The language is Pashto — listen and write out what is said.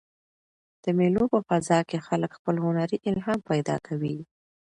د مېلو په فضا کښي خلک خپل هنري الهام پیدا کوي.